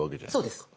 そうです。